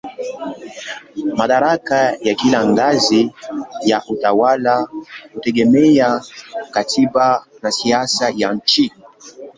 Madaraka ya kila ngazi ya utawala hutegemea katiba na siasa ya nchi.